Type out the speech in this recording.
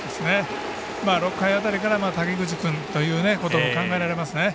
６回辺りから滝口君ということも考えられますね。